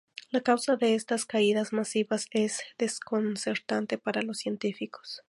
La causa de estas caídas masivas es desconcertante para los científicos.